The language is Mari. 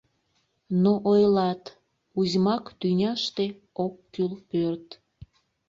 Но ойлат: узьмак тӱняште Ок кӱл пӧрт…